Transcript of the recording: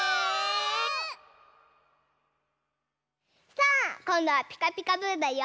さあこんどは「ピカピカブ！」だよ！